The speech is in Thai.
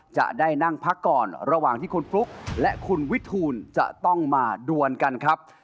จะได้นั่งพักก่อนระหว่างที่คุณฟลุ๊กและคุณวิทูลจะต้องมาดวนกันครับ